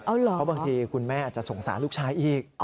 เพราะบางทีคุณแม่อาจจะสงสารลูกชายอีก